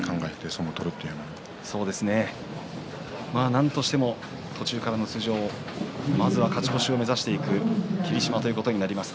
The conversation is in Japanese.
なんとしても途中からの出場まずは勝ち越しを目指していく霧島ということになります。